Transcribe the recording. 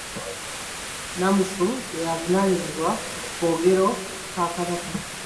Nnamusu ye avunaanyizibwa ku koogero ka Kabaka.